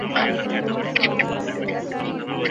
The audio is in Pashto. هغه انجینران چې په روبوټیک کې کار کوي ډېر لوړ معاشونه لري.